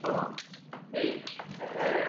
Seni qutlagani kelganman bugun.